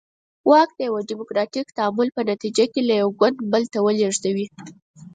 واک د یوه ډیموکراتیک تعامل په نتیجه کې له یو ګوند بل ته ولېږدوي.